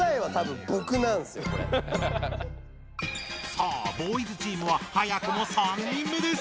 さあボーイズチームは早くも３人目です！